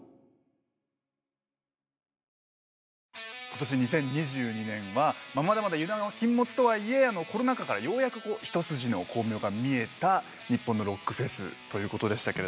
ことし２０２２年はまだまだ油断は禁物とはいえコロナ禍からようやく一筋の光明が見えた日本のロックフェスということでした。